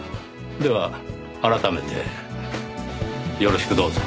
では改めてよろしくどうぞ。